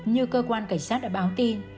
như cơ quan cảnh sát đã báo tin